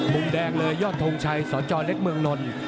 มุมแดงเลยยอดทงชัยสจเล็กเมืองนล